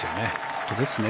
本当ですね。